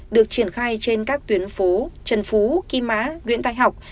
được triển khai trên các tuyến phố trần phú kim má nguyện tài học